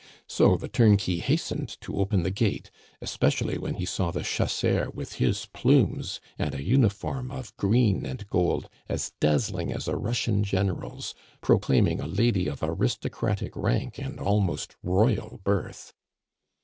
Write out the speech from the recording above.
So the turnkey hastened to open the gate, especially when he saw the chasseur with his plumes and an uniform of green and gold as dazzling as a Russian General's, proclaiming a lady of aristocratic rank and almost royal birth.